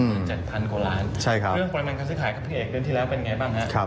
เรื่องปริมาณการซื้อขายครับพี่เอกเดือนที่แล้วเป็นไงบ้างครับ